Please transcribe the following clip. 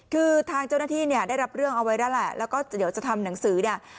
คือทางเจ้าหน้าที่เนี่ยได้รับเรื่องเอาไว้แล้วแหละแล้วก็เดี๋ยวจะทำหนังสือเนี่ย